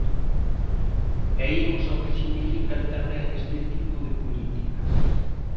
E imos ao que significan tamén este tipo de políticas.